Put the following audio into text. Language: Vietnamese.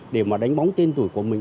để mà đánh bóng tên tuổi của mình